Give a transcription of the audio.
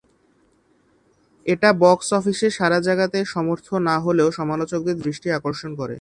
এটা বক্স অফিসে সাড়া জাগাতে সমর্থ না হলেও সমালোচকদের দৃষ্টি আকর্ষণ করে।